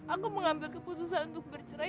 aku mengambil keputusan untuk bercerai